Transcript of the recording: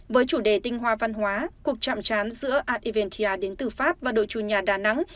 với chủ đề tinh hoa văn hóa cuộc chạm trán giữa art eventia đến từ pháp và đội chủ nhà đà nẵng